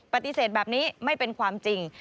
ปฏิเสธแบบนี้ไม่เป็นความจริง